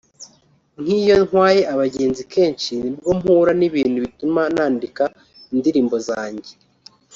“Nk’iyo ntwaye abagenzi kenshi ni bwo mpura n’ibintu bituma nandika indirimbo zanjye